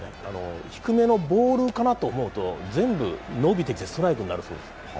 低めのボールかなと思うと全部伸びてきてストライクになるそうです。